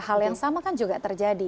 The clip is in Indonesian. hal yang sama kan juga terjadi